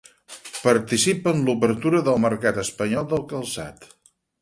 Participa en l'obertura del mercat espanyol del calçat.